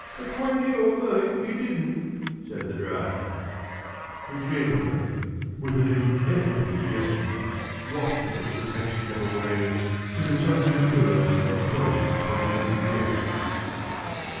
"Between you and me, you didn't," said the driver. The chamberlain, with an ineffable gesture, wafted the taxicab away into some limbo appointed for waiting vehicles.